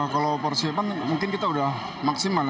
kalau persiapan mungkin kita udah maksimal